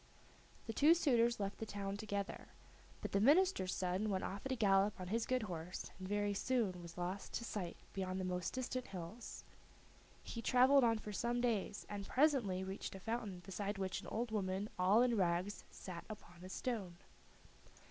The two suitors left the town together, but the minister's son went off at a gallop on his good horse, and very soon was lost to sight behind the most distant hills. He traveled on for some days, and presently reached a fountain beside which an old woman all in rags sat upon a stone.